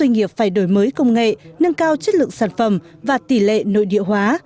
giải đổi mới công nghệ nâng cao chất lượng sản phẩm và tỷ lệ nội địa hóa